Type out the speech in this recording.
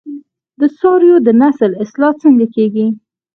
د څارویو د نسل اصلاح څنګه کیږي؟